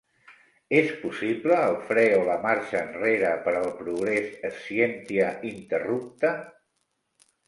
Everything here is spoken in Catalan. És possible el fre o la marxa enrere per al progrés: 'scientia interrupta'?